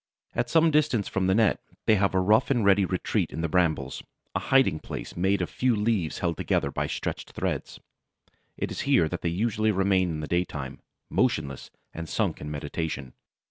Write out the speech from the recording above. At some distance from the net they have a rough and ready retreat in the brambles, a hiding place made of a few leaves held together by stretched threads. It is here that they usually remain in the daytime, motionless and sunk in meditation.